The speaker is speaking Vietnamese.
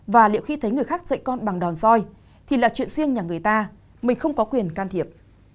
và liệu khi thấy người khác dậy con bằng đòn roi thì là chuyện riêng nhà người ta mình không có quyền can thiệp